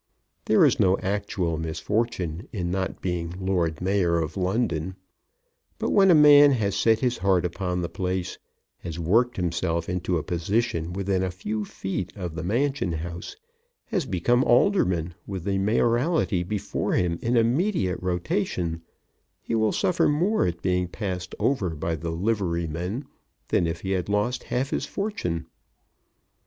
There is no actual misfortune in not being Lord Mayor of London; but when a man has set his heart upon the place, has worked himself into a position within a few feet of the Mansion House, has become alderman with the mayoralty before him in immediate rotation, he will suffer more at being passed over by the liverymen than if he had lost half his fortune.